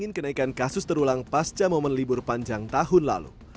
periode ketiga terjadi pada masa liburan natal dua ribu dua puluh dan tahun baru dua ribu dua puluh satu